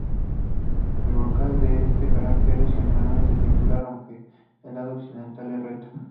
El brocal de este cráter es generalmente circular, aunque el lado occidental es recto.